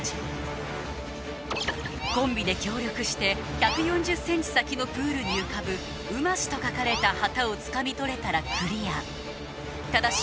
コンビで協力して１４０ｃｍ先のプールに浮かぶ「うまし」と書かれた旗をつかみ取れたらクリアただし